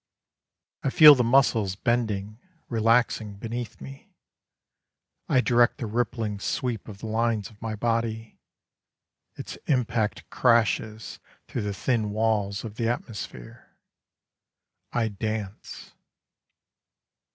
I feel the muscles bending, relaxing beneath me; I direct the rippling sweep of the lines of my body; Its impact crashes through the thin walls of the atmosphere, I dance.